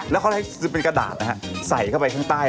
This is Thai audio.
แล้วเขาให้เป็นกระดาษนะฮะใส่เข้าไปข้างใต้